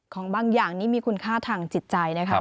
ของบางอย่างนี้มีคุณค่าทางจิตใจนะครับ